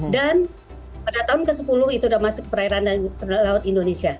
dan pada tahun ke sepuluh itu sudah masuk perairan dan terlaut indonesia